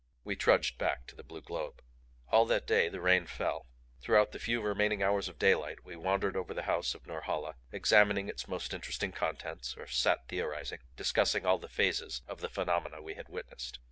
We trudged back to the blue globe. All that day the rain fell. Throughout the few remaining hours of daylight we wandered over the house of Norhala, examining its most interesting contents, or sat theorizing, discussing all phases of the phenomena we had witnessed.